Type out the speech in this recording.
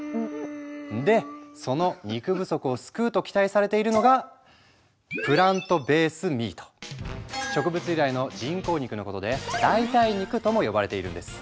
でその肉不足を救うと期待されているのが植物由来の人工肉のことで代替肉とも呼ばれているんです。